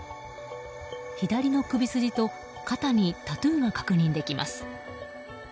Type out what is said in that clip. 左の首筋と肩にタトゥーが確認できます。